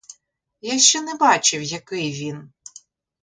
Я ще не бачив, який він.